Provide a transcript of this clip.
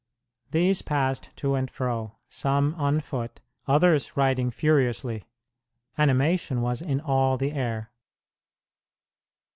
These passed to and fro, some on foot, others riding furiously. Animation was in all the air.